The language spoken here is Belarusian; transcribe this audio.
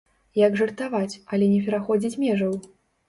Як жартаваць, але не пераходзіць межаў?